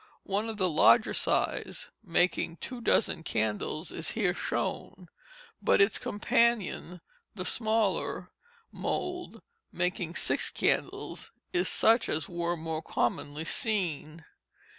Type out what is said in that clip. One of the larger size, making two dozen candles, is here shown; but its companion, the smaller mould, making six candles, is such as were more commonly seen.